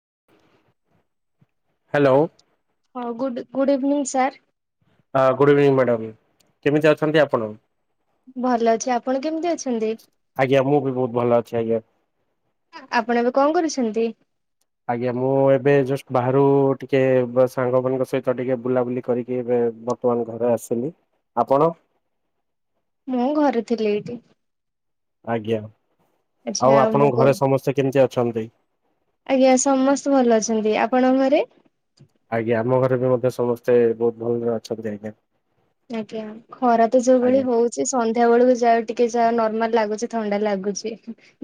[inaudible] Hello. ହଁ good good evening sir. ହଁ good evening madam କେମିତି ଅଛନ୍ତି ଆପଣ? ଭଲ ଅଛି ଆପଣ କେମିତି ଅଛନ୍ତି? ଆଜ୍ଞା ମୁଁ ବି ବହୁତ ଭଲ ଅଛି ଆଜ୍ଞା । ଆପଣ ଏବେ କଣ କରୁଛନ୍ତି? ଆଜ୍ଞା ମୁଁ ଏବେ ଜଷ୍ଟ ବାହାରୁ ଟିକେ ବ୍ ସାଙ୍ଗମାନାନଙ୍କ ସହିତ ଟିକେ ବୁଲାବୁଲି କରିକି ଏବେ ବର୍ତ୍ତମାନ ଘରେ ଆସିଲି ଆପଣ? ମୁଁ ଘରେ ଥିଲି ଏଇଠି । ଆଜ୍ଞା ଆଉ ମୁଁ ଆପଣଙ୍କ କ ଘରେ ସମସ୍ତେ କେମିତି ଅଛନ୍ତି? ପଣ ଘରେ ଆଜ୍ଞା ଆମ ଘରେ ବି ମଧ୍ୟ ସମସ୍ତେ ବହୁତ ଭଲରେ ଅଛନ୍ତି ଆଜ୍ଞା । ଆଜ୍ଞା ଖରା ତ ଯୋଉ ଭଳି ଆଜ୍ଞା ହଉଛି ସନ୍ଧ୍ୟା ବେଳକୁ ଯାଉ ଟିକେ ଯା ନର୍ମାଲ ଲାଗୁଛି ଥଣ୍ଡା ଲାଗୁଛି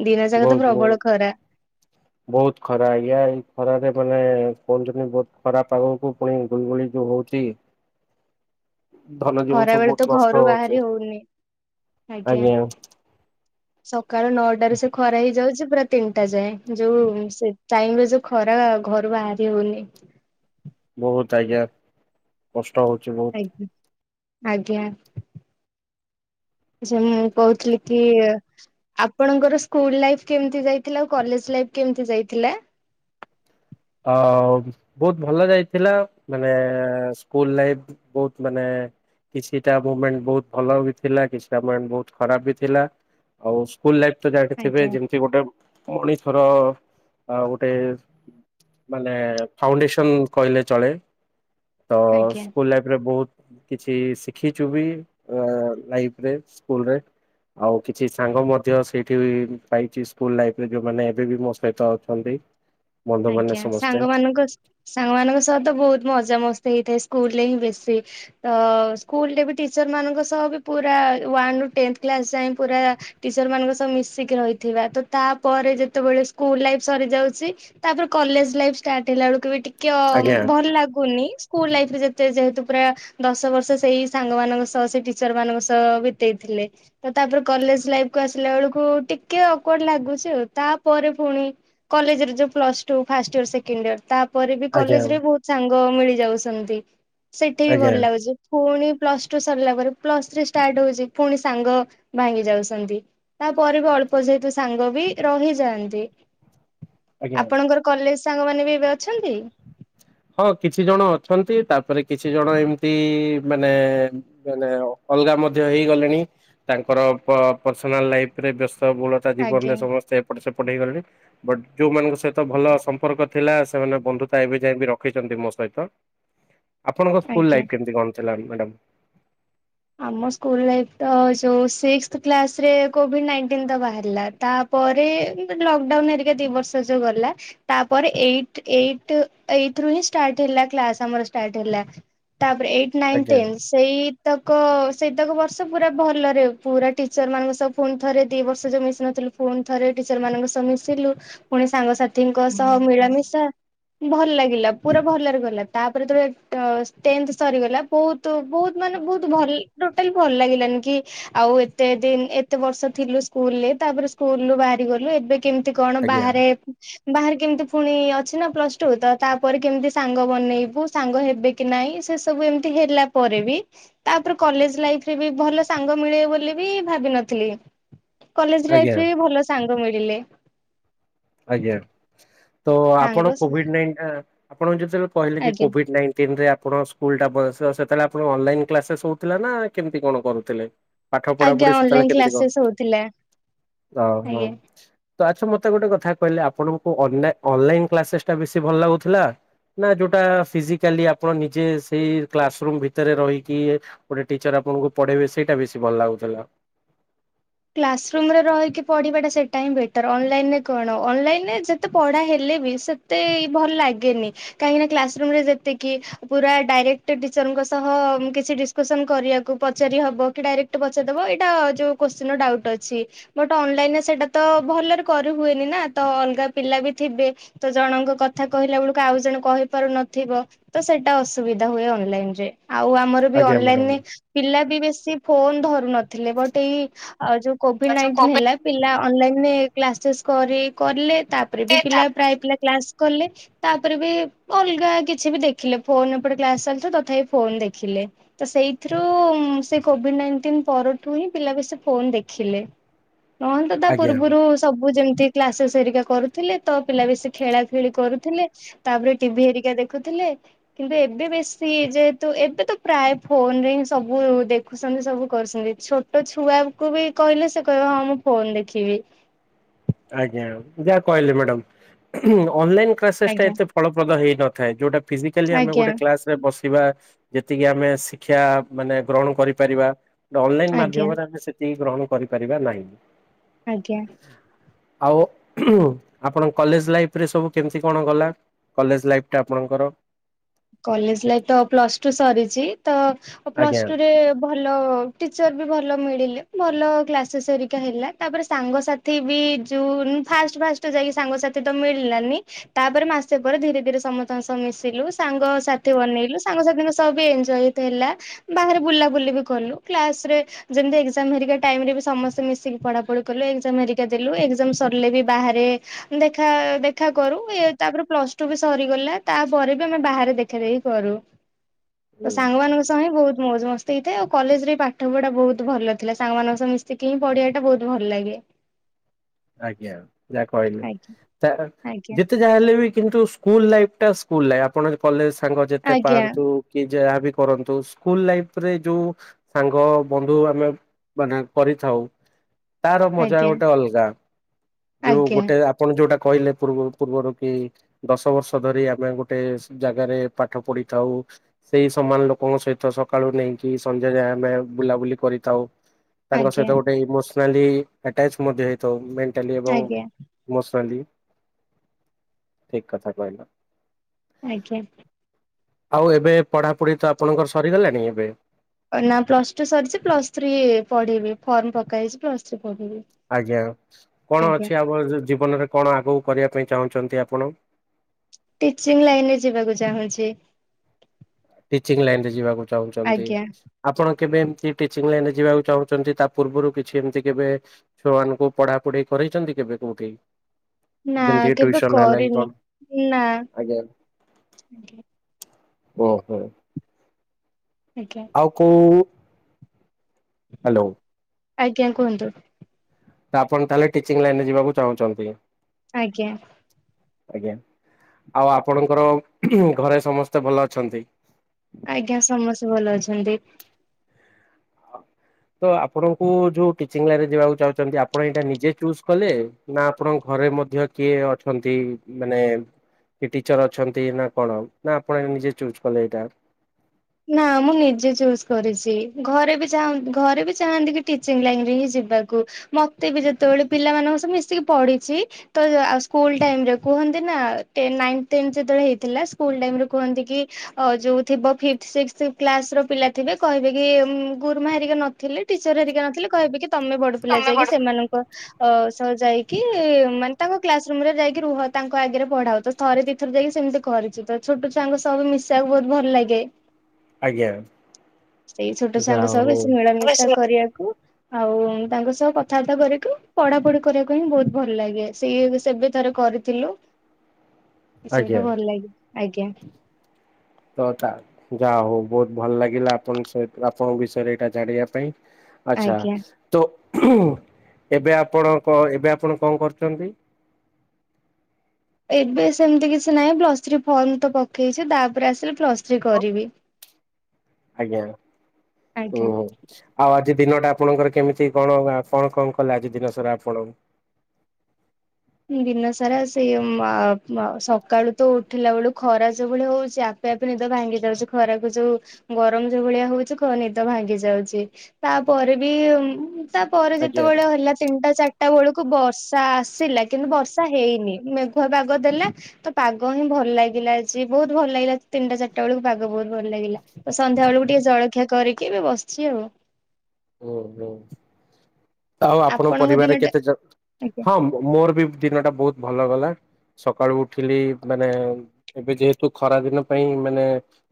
ଦିନ ଯାକ ତ ବହୁତ ପ୍ରବଳ ଖରା ବହୁତ ବହୁତ ଖରାା ଖରାରେ ମାନେ କହୁଛନ୍ତି ବହୁତ ଖରା ପାଗକୁ ପୁଣି ଗୁଳିଗୁଳି ଯୋଉ ହଉଛି ଧନ ଜୀବନ ଖରା ସବୁ ବେଳେ ବହୁତ ତ ନଷ୍ଟ ଘରୁ ହଉଛି ବାହାରି ହଉନି ଆଜ୍ଞା ସକାଳ ନଅଟ ସେ ଖରା ହେଇଛି ଯାଉଛି ପୁରା ତିନିଟା ଯାଏ ଯୋଉ ସେ ଟାଇମରେ ଯୋଉ ଖରା ଘରୁ ବାହାରି ହଉନି ବହୁତ ଆଜ୍ଞା କଷ୍ଟ ଷ୍ଟ ହଉଛି ବହୁତ ଆଜ୍ଞା ଆଜ୍ଞା ଆ୍ଛା ମୁଁ କହୁଥିଲି କି ଆପଣଙ୍କର ସ୍କୁଲ ଲାଇଫ କେମତି ଯାଇଥିଲା ଆଉ କଲେଜ ଲାଇଫ କେମିତି ଯାଇଥିଲା ଆଉ ବହୁତ ଭଲ ଯାଇଥିଲା ମାନେ ସ୍କୁଲ ଲାଇଫ୍ ବହୁତ ମାନେ କିଛିଟା ମୁମେଣ୍ଟ ବହୁତ ଭଲ ବି ଥିଲା କିଛିଟା ମୁମେଣ୍ଟ ବହୁତ ଖରାପ ବି ଥିଲା ଆଉ ସ୍କୁଲ ଲାଇଫ୍ ଯାଇକି ଥିବେ ଆଜ୍ଞା ଯେମିତି ଗୋଟେ ମଣିଷର ଆଉ ଗୋଟେ ମାନେ ଫାଉଣ୍ଡେସନ କହିଲେ ଚଳେ ତ ଆଜ୍ଞା ସ୍କୁଲ ଲାଇଫରେ ବହୁତ କିଛି ଶିଖିଛୁ ବି ଲାଇଫ ରେ ସ୍କୁଲ ରେ ଆଉ କିଛି ସାଙ୍ଗ ମଧ୍ୟ ସେଇଠି ପାଇଛି ସ୍କୁଲ ଲାଇଫରେ ଯୋଉମାନେ ଏବେବ ମୋ ସହିତ ଅଛନ୍ତି ବନ୍ଧୁମାନେ ଆଜ୍ଞା ସମସ୍ତେ ସାଙ୍ଗମାନଙ୍କ ସାଙ୍ଗ ମାନଙ୍କ ସହତ ବହୁତ ମଜାାମସ୍ ହେଇଥାଏ ସ୍କୁଲରେ ହିଁ ବେଶୀ ତ ସ୍କୁଲ ରେ ବି ଟିଚର ମାନଙ୍କ ସହ ବି ପୁରା ର ଟେ କ୍ଲାସ ଯାଇ ପୁରା ଟିଚର ମାନଙ୍କ ସହ ମିଶିକି ରହିଥିବା ତ ତାପରେ ଯେତେବେଳେ ସ୍କୁଲ ଲାଇଫ ସରିଯାଉଛି ତାପରେ କଲେଜ ଲାଇଫ ଷ୍ଟାର୍ ହେଲା ବେଳ କେ ବି ଟିକେ ଆଜ୍ଞା ଭଲ ଲାଗୁନି ସ୍କୁଲ ଲାଇଫ ଯେ ଯେହେତୁ ପୁରା ଦଶ ବର୍ଷ ସେଇ ସାଙ୍ଗ ମଙ୍କ ସହ ସେ ଟିଚର ମାନଙ୍କ ସହ ବିତେଇଥିଲେ ତ ତାପରେ କଲେଜ ଲାଇଫ କ ଆସିଲା ବେଳକୁ ଟିକେ ଅକ୍ଡ ଲାଗୁଛି ଆଉ ତାପରେ ପୁଣି କଲେରେଉ plus two first year second year ତା ପରେ ବି ଆଜ୍ଞା କଲେଜ ରେ ବହୁତ ସାଙ୍ଗ ମିଳି ଯାଉଛନ୍ତି ସେଠି ବି ଆଜ୍ଞା। ଭଲ ଲାଗୁଛି ପୁଣି ପ୍ଲସ ଟୁ ସରିଲା ପରେ ପ୍ଲସ ଥ୍ରୀ ଷ୍ଟାର୍ଟ ହଉଛି ପୁଣି ସାଙ୍ଗ ଭାଙ୍ଗି ଯାଉଛନ୍ତି ତାପରେ ବି ଅଳ୍ପ ଯେହିେତୁ ସାଙ୍ଗ ବି ରହିଯାଆନ୍ତି ଆଜ୍ଞା ଆପଣଙ୍କର କଲେଜ ସାଙ୍ଗମାନୋନ ବି ଏବେ ଅଛନ୍ତି ହଁ କିଛି ଜଣ ଅଛନ୍ତି ତାପରେ କିଛି ଜଣ ଏମିତି ମାନେ ମାନେ ଅଲଗା ମଧ୍ୟ ହେଇଗଲେଣି ତାଙ୍କର ପର୍ସନାଲ ଲାଇଫ ରେ ବ୍ୟସ୍ତ ବଳତା ଜୀବନ ରେ ଆଜ୍ଞା ସମସ୍ତେ ଏପଟ ସେପଟ ହେଇଗଲେଣି ବଟ ଯୋଉମାନଙ୍କ ସହିତ ଭଲ ସମ୍ପର୍କ ଥିଲା ସେମାନେ ବନ୍ଧୁ ତାଇ ବି ଯାଇ ବି ରଖିଛନ୍ତି ମୋ ସହିତ ଆପଣଙ୍କ ସ୍କୁଲ ଆଜ୍ଞା ଲାଇଫ କେମତି କଣ [inaudible] ମ୍ୟାଡ଼ାମ ଆମ ସ୍କୁଲ ଲାଇଫ ଟା ଯୋଉ ସିକ୍ସଥ କ୍ଲାସ ରେ କୋଭିଡ ନାଇନଟିନ୍ ତ ବାହାରିଲା। ତା ପରେ ଏମତି ଲକଡାଉନ୍ ହାରିକା ଦି ବର୍ଷ ଗଲା । ତା ପରେ ଏଇଟ୍ ଏଇଟ୍ ଏଇଟ୍ ରୁ ହିଁ ଷ୍ଟାର୍ଟ ହେଲା କ୍ଲାସ ଆମର ଷ୍ଟାର୍ଟ ହେଲା । ତାପରେ ଏଇଟ୍ ନାଇନ୍ ଆଜ୍ଞା ଟେନ୍ ସେଇ ତାଙ୍କ ସେଇ ତାକୁ ବର୍ଷ ପୁରା ଭଲରେ ପୁରା ଟିଚର ମାନଙ୍କ ସହ ଫୁଣି ଥରେ ଦି ବର୍ଷ ଯୋଉ ମିଶି ନଥିଲୁ ଫୁଣି ଥରେ ଟିଚର ମାନଙ୍କ ସହ ମିଶିଲୁ ପୁଣି ସାଙ୍ଗସାଥିୀଙ୍କ ସହ ମିଳାମିଶା ଭଲ ଲାଗିଲା ପୁରା ଭଲରେ ଗଲା ତାପରେ ଯେତେବେଳେ ଟେନ୍ଥ ସରିଗଲା ବହୁତ ବହୁତ ମାନେ ବହୁତ ଭଲ ଟୋଟାଲ ଭଲ ଲାଗିଲାନି କି ଆଉ ଏତେ ଦିନ ଏତେ ବର୍ଷ ଥିଲୁ ସ୍କୁଲରେ ତାପରେ ସ୍କୁଲରୁ ବାହାରି ଗଲୁ ଏବେ କେମିତି କଣ ଆଜ୍ଞା ବାହାରେ ବାହାରେ କେମିତି ପୁଣି ଅଛି ନା ପ୍ଲସ ଟୁ ତ ତାପରେ କେମିତି ସାଙ୍ଗ ବନେଇବୁ ସାଙ୍ଗ ହେବେ କି ନାଇଁ ସେ ସବୁ ଏମିତି ହେଲା ପରେ ବି ତାପରେ କଲେଜ ଲାଇଫରେ ବି ଭଲ ସାଙ୍ଗ ମିଳିବ ବୋଲି ବି ଭାବିନଥିଲି । କଲେଜ ଆଜ୍ଞା ଲାଇଫରେ ବି ଭଲ ସାଙ୍ଗ ମିଳିଲେ। ଆଜ୍ଞା। ତ ଆପଣ ସାଙ୍ଗ କୋଭିଡ ନାଇନ୍ ଆପଣଙ୍କ ଯୋଉ ଯେତେବେଳେ କହିଲେ କି ଆଜ୍ଞା କୋଭିଡ ନାଇଣ୍ଟିନ ରେ ଆପଣ ସ୍କୁଲ ଟା ବ ସେତେବେଳେ ଆପଣ ଅନଲାଇନ କ୍ଲାସେସ୍ ହଉଥିଲା ନା କେମିତି କଣ କରୁଥିଲେ? ପାଠ ଆଜ୍ଞା ପଢାପଢି ଅନଲାଇନ ସେତେବେଳେ କେମତି କଣ କ୍ଲାସେସ୍ ହଉଥିଲା ତ ହଉ ଆଜ୍ଞା। ଆଚ୍ଛା ମତେ ଗୋଟେ କଥା ମୁଁ କହିଲି ଆପଣଙ୍କୁ ଅନଲାଇନ୍ ଅନଲାଇନ୍ କ୍ଲାସେସ୍ ଟା ବେଶୀ ଭଲ ଲାଗୁଥିଲା ନା ଯୋଉଟା ଫିଜିକାଲି ଆପଣ ନିଜେ ସେଇ କ୍ଲାସ୍ ରୁମ୍ ଭିତରେ ରହିକି ଗୋଟେ ଟିଚର ଆପଣଙ୍କୁ ପଢ଼େଇବେ ସେଇଟା ବେଶୀ ଭଲ ଲାଗୁଥିଲା। କ୍ଲାସରୁୁମ ରେ ରହିକି ପଢ଼ିବାଟା ସେଇଟା ହିଁ ବେଟର୍। ଅନଲାଇନରେ କଣ ଅନଲାଇନରେ ଯେତେ ପଢ଼ା ହେଲେ ବି ସେତେ ଭଲ ଲାଗେନି କାହିଁକିନା କ୍ଲାସରୁୁମରେ ଯେତିକି ପୁରା ଡାଇରେକ୍ଟ ଟିଚରଙ୍କ ସହ କିଛି ଡିସକସନ୍ କରିବାକୁ ପଚାରି ହବ କି ଡାଇରେକ୍ଟ ପଚାରିଦେବ ଏଇଟା ଯୋଉ କୋଶ୍ଚିନ୍ ଡାଉଟ ଅଛି ବଟ ଅନଲାଇନ ରେ ସେଟା ତ ଭଲରେ କରିହୁଏନି ନା ତ ଅଲଗା ପିଲା ବି ଥିବେ ତ ଜଣଙ୍କ କଥା କହିଲା ବେଳକୁ ଆଉ ଜଣେ କହିପାରୁନଥିବ ତ ସେଇଟା ଅସୁବିଧା ହୁଏ ଅନଲାଇନ ରେ। ଆଉ ଆମର ବି ଆଜ୍ଞା ମ୍ୟାଡାମ। ଅନଲାଇନରେ ପିଲା ବି ବେଶୀ ଶୀ ଫୋନ ଧରୁ ନଥିଲେ ବଟ୍ ଏଇ ଆଉ ଯୋଉ କୋଭିଡ ନାଇଣ୍ଟିନ୍ ହେଲା ପିଲା ଅନଲାଇନରେ କ୍ଲାସେସ୍ କରି କଲେ ତାପରେ ବି ପିଲା ପ୍ରାୟ ପିଲା କ୍ଲାସ କଲେ ତାପରେ ବି ଅଲଗା କିଛି ବି ଦେଖିଲେ ଫୋନ ଏପଟେ କ୍ଲାସ ଚାଲିଥିବ ତଥାପି ଫୋନ ଦେଖିଲେ। ତ ସେଇଥିରୁ ସେ କୋଭିଡ ନାଇଣ୍ଟିନ ପରଠୁ ହିଁ ପିଲା ବେଶୀ ଫୋନ୍ ଦେଖିଲେ। ରହନ୍ତୁ ତା ଆଜ୍ଞା ପୂର୍ବରୁ ସବୁ ଯେମିତି କ୍ଲାସେସ୍ ହେରିକା କରୁଥିଲେ ତ ପିଲା ବେଶୀ ଖେଳାଖେଳି କରୁଥିଲେ। ତାପରେ ଟିଭି ହେରିକା ଦେଖୁଥିଲେ ।କିନ୍ତୁ ଏବେ ବେଶୀ ଯେହେତୁ ଏବେ ତ ପ୍ରାୟ ଫୋନ ରେ ହିଁ ସବୁ ଦେଖୁଛନ୍ତି ସବୁ କରୁଛନ୍ତି। ଛୋଟ ଛୁଆ କୁ ବି କହିଲେ ସେ କହିବ ହଁ ମୁଁ ଫୋନ ଦେଖିବି । ଆଜ୍ଞା ଯାହା କହିଲେ ମ୍ୟାଡମ୍। ଅନଲାଇନ୍ କ୍ଲାସେସ୍ ଟା ଆଜ୍ଞା ଏତେ ଫଳପ୍ରଦ ହେଇନଥାଏ ଯୋଉଟା ଫିଜିକାଲି ଆମେ ଆଜ୍ଞା ଗୋଟେ କ୍ଲାସ ରେ ବସିବା ଯେତିକି ଆମେ ଶିକ୍ଷା ମାନେ ଗ୍ରହଣ କରିପାରିବା ଅନଲାଇନ୍ ଆଜ୍ଞା ମାଧ୍ୟମରେ ଆମେ ସେତିକି ଗ୍ରହଣ କରିପାରିବା ନାହିଁ। ଆଜ୍ଞା। ଆଉ ଆପଣ କଲେଜ ଲାଇଫରେ ସବୁ କେମିତି କଣ ଗଲା କଲେଜ ଲାଇଫ ଟା ଆପଣଙ୍କର? କଲେଜ ଲାଇଫ ତ ପ୍ଲସ ଟୁ ସରିଛି ତ ପ୍ଲସ ଆଜ୍ଞା ଟୁରେ ଭଲ ଟିଚର ବି ଭଲ ମିଳିଲେ ଭଲ କ୍ଲାସେସ୍ ହେରିକା ହେଲା ତାପରେ ସାଙ୍ଗସାଥି ବି ଯୋଉ ଫାଷ୍ଟ ଫାଷ୍ଟ ଯାଇକି ସାଙ୍ଗସାଥି ତ ମିଳିଲାନି ତାପରେ ମାସେ ପରେ ଧୀରେ ଧୀରେ ସମସ୍ତଙ୍କ ମିଶିଲୁ ସାଙ୍ଗସାଥି ବନେଇଲୁ ସାଙ୍ଗସାଥିଙ୍କ ସହ ବି ଏଞ୍ଜୟ ଏତେ ହେଲା ବାହାରେ ବୁଲାବୁଲି ବି କଲୁ କ୍ଲାସ ରେ ଯେମିତି ଏକ୍ଜାମ ହେରିକା ଟାଇମରେ ବି ସମସ୍ତେ ମିଶିକି ପଢ଼ାପଢ଼ି କଲୁ ଏକ୍ଜାମ ହେରିକା ଦେଲୁ ଏକ୍ଜାମ ସରିଲେ ବି ବାହାରେ ଦେଖା ଦେଖା କରୁ ଇଏ ତାପରେ ପ୍ଲସ୍ ଟୁ ବି ସରିଗଲା ତାପରେ ବି ଆମେ ବାହାରେ ଦେଖା ଦେଖି କରୁ। ଓ ହୁଁ, ସାଙ୍ଗମାନଙ୍କ ସହ ହିଁ ବହୁତ ମଉଜ ମସ୍ତି ହେଇଥାଏ ଆଉ କଲେଜରେ ପାଠ ପଢା ବହୁତ ଭଲ ଥିଲା ସାଙ୍ଗମାନଙ୍କ ସହ ମିଶିକି ହିଁ ପଢିବା ଟା ବହୁତ ଭଲ ଲାଗେ। ଆଜ୍ଞା ଯାହା କହିଲେ ଆଜ୍ଞା ତା ଆଜ୍ଞା। ଯେତେ ଯାହା ହେଲେ ବି କିନ୍ତୁ ସ୍କୁଲ ଲାଇଫ ଟା ସ୍କୁଲ ଲାଇଫ ଆପଣ କଲେଜ ସାଙ୍ଗ ଯେତେ ଆଜ୍ଞା ପାଆନ୍ତୁ କି ଯାହାବି କରନ୍ତୁ ସ୍କୁଲ ଲାଇଫ ରେ ଯୋଉ ସାଙ୍ଗ ବନ୍ଧୁ ଆମେ ମାନେ କରିଥାଉ ତାର ମଜା ଆଜ୍ଞା ଗୋଟେ ଅଲଗା। ଯୋଉ ଆଜ୍ଞା ଗୋଟେ ଆପଣ ଯୋଉଟା କଇଲେ ପୂର୍ବରୁ ପୂର୍ବରୁ କି ଦଶ ବର୍ଷ ଧରି ଆମେ ଗୋଟେ ଜାଗାରେ ପାଠ ପଢିଥାଉ ସେଇ ସମାନ ଲୋକଙ୍କ ସହିତ ସକାଳୁ ନେଇକି ସନ୍ଧ୍ୟା ଯାଏ ଆମେ ବୁଲାବୁଲି କରିଥାଉ। ତାଙ୍କ ଆଜ୍ଞା ସହିତ ଗୋଟେଇ ଇମୋସ୍ ସ୍ନାଲି ଆଟାଚ ମଧ୍ୟ ହେଇଥାଉ। ମେ ଣ୍ଟାଲ ଏବଂ ଆଜ୍ଞା ଇମୋସନାଲି ଠିକ କଥା କହିଲ। ଆଜ୍ଞା। ଆଉ ଏବେ ପଢାପୁଢି ତ ଆପଣଙ୍କର ସରିଗଲାଣି ଏବେ? ନା ପ୍ଲସ ଟୁ ସରିଚି ପ୍ଲସ ଥ୍ରୀ ପଢିବି ଫର୍ମ ପକା ହେଇଛି ପ୍ଲସ ଥ୍ରୀ ପଢିବି। ଆଜ୍ଞା କଣ ଆଜ୍ଞା। ଅଛି ଆମର ଜୀବନରେ କଣ? ଆଗକୁ କରିବା ପାଇଁ ଚାହୁଁଛନ୍ତି ଆପଣ। ଟିଚିଂ ଲାଇନ ରେ ଯିବାକୁ ଚାହୁଁଚି। ଟିଚିଙ୍ଗ ଲାଇନ ରେ ଯିବାକୁ ଚାହୁଁଚନ୍ତି ଆପଣ କେବେ ଏମ୍ କି ଟିଚିଂ ଲାଇନରେ ଯିବାକୁ ଚାହୁଁଚନ୍ତି ତା ପୂର୍ବରୁ କିଛି ଏମିତି କେବେ ଛୁଆମାନୁଙ୍କୁ ପଢା ପୁଢି କରେଇଚନ୍ତି କେବେ କୋଉଠି? ନା ଯେମିତି କେବେ ଟ୍ୟୁସନ ହେଲା କି କଣ କରିନି ନା। ଆଜ୍ଞା ଓ। ହୁଁ। ଆଜ୍ଞା ଆଉ କୋଉ ହାଲୋ ଆଜ୍ଞା କୁହନ୍ତୁ। ଆପଣ ତାହେଲେ ଟିଚିଂ ଲାଇନ ରେ ଯିବାକୁ ଚାହୁଁଚନ୍ତି। ଆଜ୍ଞା। ଆଜ୍ଞା ଆଉ ଆପଣଙ୍କର ଘରେ ସମସ୍ତେ ଭଲ ଅଛନ୍ତି? ଆଜ୍ଞା ସମସ୍ତେ ଭଲ ଅଛନ୍ତି। ତ ଆପଣଙ୍କୁ ଯୋଉ ଟିଚିଂ ଲାଇନରେ ଯିବାକୁ ଚାହୁଁଛନ୍ତି। ଆପଣ ଏଇଟା ନିଜେ ଚୁସ କଲେ ନା ଆପଣଙ୍କ ଘରେ ମଧ୍ୟ କିଏ ଅଛନ୍ତି। ମାନେ ଏ-ଏ-ଏ କି ଟିଚର ଅଛନ୍ତି ନା କଣ, ନା ଆପଣ ନିଜେ ଚୁଜ କଲେ ଏଇଟା। ନା ମୁଁ ନିଜେ ଚୁଜ କରିଛି। ଘରେ ବି ଚା ଘରେ ବି ଚାହାନ୍ତି କି ଟିଚିଂ ଲାଇନରେ ହିଁ ଯିବାକୁ। ମତେ ବି ଯେତେବେଳେ ପିଲାମାନଙ୍କ ସବୁ ମିଶିକି ପଢିଛି ତ ସ୍କୁଲ ଟାଇମରେ କୁହନ୍ତି ନା, ନାଇନ ଟେନ ଯେତେବେଳେ ହେଇଥିଲା ସ୍କୁଲ ଟାଇମରେ କୁହନ୍ତି କି ଯୋଉ ଥିବ ଫି ସିକ୍ସ କ୍ଲାସ ର ପିଲା ଥିବେ। କହିବେ କି ଉମ୍ ଗୁରୁମା ହେରିକା ନଥିଲେ, ଟିଚର ହେରିକା ନଥିଲେ କହିବେ କି ତମେ ବଡ ପିଲା ତମେ ଯାଇକି ବଡ ସେମାନଙ୍କ ଅ ଥରେ ଯାଇକି ମାନେ ତାଙ୍କ କ୍ଲାସ ରୁମ ରେ ଯାଇକି ରୁହ ତାଙ୍କ ଆଗରେ ପଢାଅ। ତ ଥରେ ଦି ତି ଥର ଯାଇକି ସେମିତି କରିଛୁ ତ। ଛୋଟ ଛୁଆଙ୍କୁ ସଜ୍ ମିଶିବାକୁ ବହୁତ ଭଲ ଲାଗେ। ଆଜ୍ଞା ସେଇ ଛୋଟ ସାଙ୍ଗ ଯାହା ସବୁ ହଉ ବେଶି ମିଳା ମିଶା କରିଆକୁ ଆଉ ତାଙ୍କ ସହ କଥା ବାର୍ତ୍ତା କରିକି ପଢା ପଢି କରିଆକୁ ହିଁ ବହୁତ ଭଲ ଲାଗେ। ସିଏ ସେବେ ଥର କରିଥିଲୁ। ଆଜ୍ଞା ସେଇଟା ଭଲ ଲାଗେ। ଆଜ୍ଞା। ତ ତା ଯା ହଉ ବହୁତ ଭଲ ଲାଗିଲା ଆପଣଙ୍କ ସହ, ଆପଣଙ୍କ ବିଷୟରେ ଏଇଟା ଜାଣିବା ପାଇଁ ଆଚ୍ଛା ଆଜ୍ଞା ତୋ ଏବେ ଆପଣ କ ଏବେ ଆପଣ କଣ କରୁଚନ୍ତି? ଏବେ ସେମିତି କିଛି ନାହିଁ। ପ୍ଲସ ଥ୍ରୀ ଫର୍ମ ତ ପକେଇଛି। ତାପରେ ଆସିଲେ ପ୍ଲସ ଥ୍ରୀ କରିବି। ଆଜ୍ଞା। ଆଜ୍ଞା ଓ ହୋ, ଆ ଜି ଦିନଟା ଆପଣଙ୍କର କେମିତି କଣ ଆ କଣ କଣ କଲେ ଆଜି ଦିନ ସାରା ଆପଣ? ଦିନ ସାରା ସେଇ ଅ ଅ ସକାଳୁ ତ ଉଠିଲା ବେଳୁ ଖରା ଯୋଉ ଭଳି ହଉଛି, ଆପେ ଆପେ ନିଦ ଭାଙ୍ଗି ଯାଉଛି। ଖରାକୁ ଯୋଉ ଗରମ ଯୋଉ ଭଳିଆ ହଉଛି ଖ ନିଦ ଭାଙ୍ଗି ଯାଉଛି। ତାପରେ ବି ଉଁ ତା ପରେ ଆଜ୍ଞା ଯେତେବେଳେ ହେଲା ତିନିଟା ଚାରି ଟା ବେଳକୁ ବର୍ଷା ଆସିଲା କିନ୍ତୁ ବର୍ଷା ହେଇନି ମେଘୁଆ ପାଗ ଦେଲା। ତ ପାଗ ହିଁ ଭଲ ଲାଗିଲା ଆଜି ବହୁତ ଭଲ ଲାଗିଲା ତିନିଟା ଚାରିଟା ବେଳକୁ ପାଗ ବହୁତ ଭଲ ଲାଗିଲା। ତ ସନ୍ଧ୍ୟା ବେଳକୁ ଟିକେ ଜଳଖିଆ କରିକି ଏବେ ବସିଛି ଆଉ। ଓ ହୋ। ଆଉ ଆପଣଙ୍କ ପରିବାରରେ କେତେ ଜ, ଆଜ୍ଞା ହଁ ମୋର ବି ଦିନ ଟା ବହୁତ ଭଲ ଗଲା। ସକାଳୁ ଉଠିଲି ମାନେ ଏବେ ଯେହେତୁ ଖରା ଦିନ ପାଇଁ ମାନେ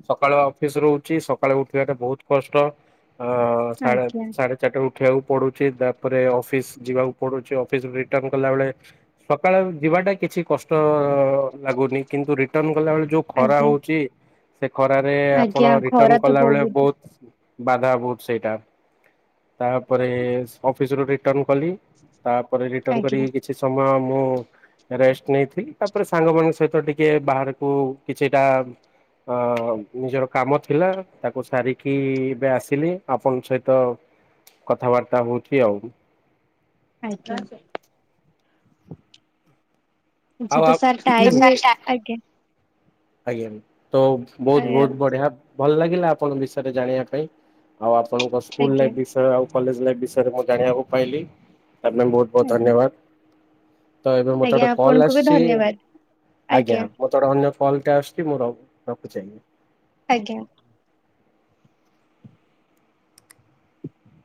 ସକାଳୁଆ ଅଫିସ ରହୁଛି। ସକାଳୁ ଉଠିଆଟା ବହୁତ କଷ୍ଟ। ଆ-ଆ-ଆ ସାଢେ ଆଜ୍ଞା ସାଢେ ଚାରିଟାରୁ ଉଠିଆକୁ ପଡୁଛି। ତାପରେ ଅଫିସ ଯିବାକୁ ପଡୁଛି। ଅଫିସ ରିଟର୍ଣ୍ଣ କଲା ବେଳେ ସକାଳେ ଯିବାଟା କିଛି କଷ୍ଟ ଲାଗୁନି, କିନ୍ତୁ ରିଟର୍ଣ୍ଣ କଲା ବେଳେ ଯୋଉ ଖରା ଆଜ୍ଞା ହଉଛି ସେ ଖରାରେ ଆଜ୍ଞା ଆପଣ ଖରା ରିଟର୍ଣ୍ଣ ତ କଲାବେଳେ ବହୁତ ବହୁତ ବାଧା ବହୁତ ସେଇଟା। ତାପରେ-ଏ-ଏ ଅଫିସ ରୁ ରି ଟର୍ଣ୍ଣ କଲି ତାପରେ ରିଟର୍ଣ୍ଣ ଆଜ୍ଞା। କରିକି କିଛି ସମୟ ମୁଁ ରେଷ୍ଟ ନେଇଥିଲି। ତାପରେ ସାଙ୍ଗ ମାନଙ୍କ ସହିତ ଟିକେ ବାହାରକୁ କିଛିଟା ଅ-ଅ ନିଜର କାମ ଥିଲା। ତାକୁ ସାରିକି ଏବେ ଆସିଲି ଆପଣଙ୍କ ସହିତ କଥା ବାର୍ତ୍ତା ହଉଛି ଆଉ। ଆଜ୍ଞା। ଆଚ୍ଛା ଆଉ ତ ସାର ଟାଇମ ହେ, ଆ ଆଜ୍ଞା। ଆଜ୍ଞା। ତ ବହୁତ ଆଜ୍ଞା ବହୁତ ବଢ଼ିଆ ଭଲ ଲାଗିଲା ଆପଣଙ୍କ ବିଷୟରେ ଜାଣିଆ ପାଇଁ ଆଉ ଆ ପଣଙ୍କ ସ୍କୁଲ ଆଜ୍ଞା ଲାଇଫ ବିଷୟ ଆଉ କଲେଜ ଲାଇଫ ବିଷୟରେ ମୁଁ ଜାଣିଆକୁ ପାଇଲି। ତା [unintelligible] ବହୁତ ବହୁତ ଆଜ୍ଞା ଧନ୍ୟବାଦ। ତ ଏବେ ମତେ ଗୋଟେ ଆଜ୍ଞା କଲ ଆପଣଙ୍କୁ ବି ଆସିଛି ଧନ୍ୟବାଦ ଆଜ୍ଞା ମତେ ଗୋଟେ ଅନ୍ୟ କଲଟେ ଆସୁଛି ମୁଁ ର ରଖୁଛି ଆଜ୍ଞା। ଆଜ୍ଞା।